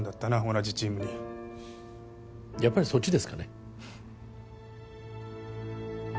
同じチームにやっぱりそっちですかね